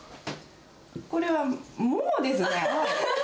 これは、ももですね。